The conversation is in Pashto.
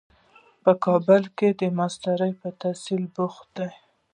په کابل کې د ماسټرۍ په تحصیل بوخت دی.